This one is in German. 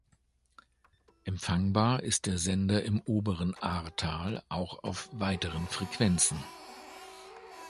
Empfangbar ist der Sender im oberen Ahrtal auch auf weiteren Frequenzen.